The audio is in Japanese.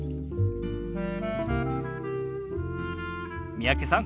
三宅さん